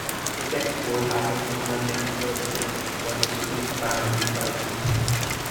The text poll happens from Monday to Thursday, but was soon expanded to Fridays.